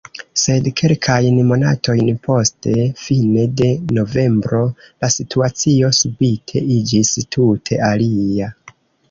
Sed kelkajn monatojn poste, fine de novembro, la situacio subite iĝis tute alia.